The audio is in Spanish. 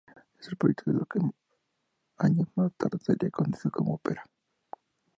Este proyecto es lo que años más tarde sería conocido como Opera.